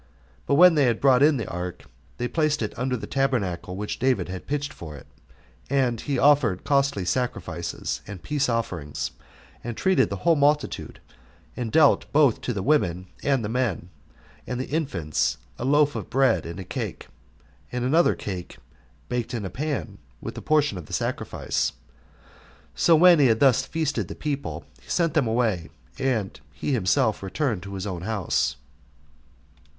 But when they had brought in the ark, they placed it under the tabernacle which David had pitched for it, and he offered costly sacrifices and peace offerings, and treated the whole multitude, and dealt both to the women, and the men, and the infants a loaf of bread and a cake, and another cake baked in a pan, with the portion of the sacrifice. So when he had thus feasted the people, he sent them away, and he himself returned to his own house.